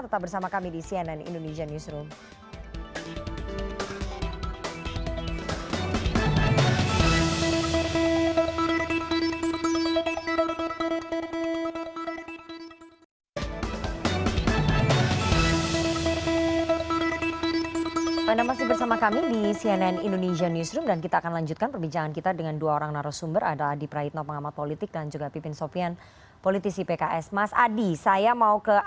tetap bersama kami di cnn indonesia newsroom